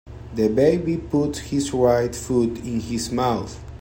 The baby puts his right foot in his mouth.